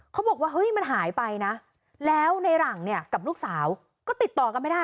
เขาบอกว่าเฮ้ยมันหายไปนะแล้วในหลังเนี่ยกับลูกสาวก็ติดต่อกันไม่ได้